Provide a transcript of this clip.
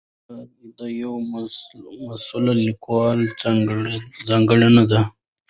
دا د یوه مسؤل لیکوال ځانګړنه ده.